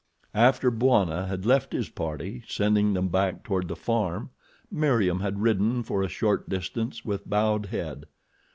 After Bwana had left his party, sending them back toward the farm, Meriem had ridden for a short distance with bowed head.